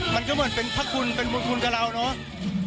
มันก็เหมือนเป็นพระคุณเป็นบุญคุณกับเราเนาะ